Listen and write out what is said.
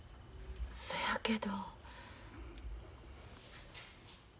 そやけど。